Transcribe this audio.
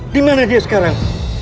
dimana dia sekarang